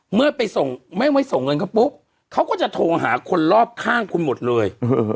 เมื่อไปส่งเงินแล้วก็ปุ๊ปเขาก็จะโทรหาคนรอบข้างหมดเลย